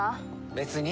別に。